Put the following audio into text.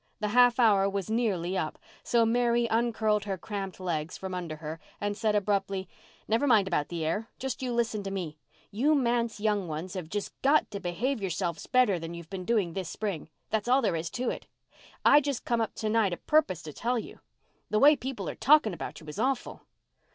The half hour was nearly up, so Mary uncurled her cramped legs from under her and said abruptly, "Never mind about the air. Just you listen to me. You manse young ones have just got to behave yourselves better than you've been doing this spring—that's all there is to it. I just come up to night a purpose to tell you so. The way people are talking about you is awful."